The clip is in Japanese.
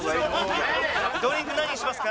ドリンク何にしますか？